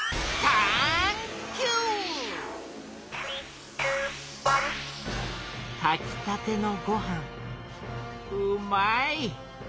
たきたてのごはんうまい！